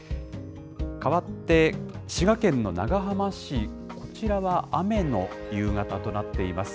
かわって、滋賀県の長浜市、こちらは雨の夕方となっています。